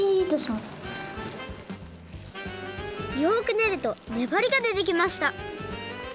よくねるとねばりがでてきました